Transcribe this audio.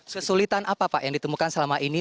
kesulitan apa pak yang ditemukan selama ini